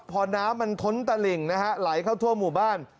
พอน้ำมันท้นตะหลิ่งนะฮะไหลเข้าทั่วหมู่บ้าน